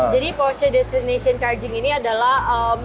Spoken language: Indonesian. jadi porsche destination charging ini adalah